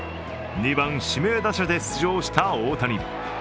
２番・指名打者で出場した大谷。